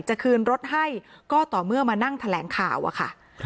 จะคืนรถให้ก็ต่อเมื่อมานั่งแถลงข่าวอะค่ะ